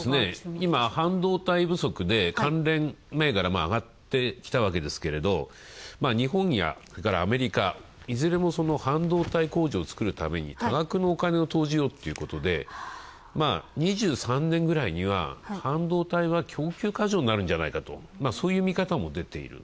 今、半導体不足で、関連銘柄もあがってきたわけですが、日本、それからアメリカ、いずれも半導体工場を作るために多額のお金をということで、２３年くらいには、半導体は供給過剰になるんじゃないかと、そういう見方も出ている。